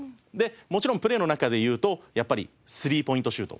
もちろんプレーの中でいうとやっぱりスリーポイントシュート。